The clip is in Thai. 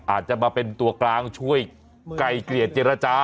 อาจจะมาเป็นตัวกลางช่วยไกลเกลี่ยเจรจา